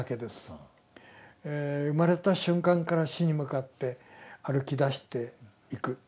生まれた瞬間から死に向かって歩きだしていく。